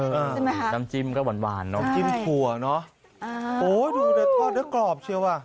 ใช่ไหมฮะน้ำจิ้มก็หวานหวานเนอะใช่จิ้มถั่วเนอะอ๋อโอ้ยดูเนี้ยทอดเนี้ยกรอบเชียวว่ะ